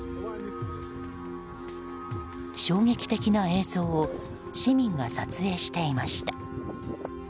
衝撃的な映像を市民が撮影していました。